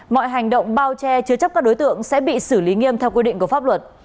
mọi hành động bao che chứa chấp các đối tượng sẽ bị xử lý nghiêm theo quy định của pháp luật